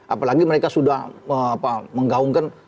apalagi mereka sudah menggaungkan